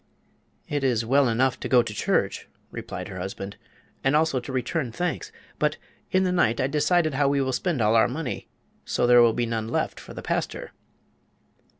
"It is well enough to go to church," replied her husband, "and also to return thanks. But in the night I decided how we will spend all our money; so there will be none left for the pastor."